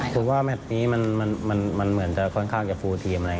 ผมว่าแมทนี้มันเหมือนจะค่อนข้างจะฟูลทีมอะไร